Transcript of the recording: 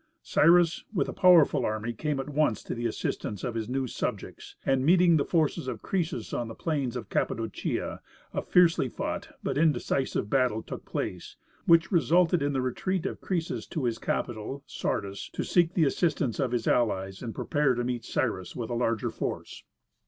Cyrus, with a powerful army, came at once to the assistance of his new subjects, and meeting the forces of Croesus on the plain of Cappadocia, a fiercely fought, but indecisive battle took place, which resulted in the retreat of Croesus to his capital, Sardis, to seek the assistance of his allies and prepare to meet Cyrus with a larger force.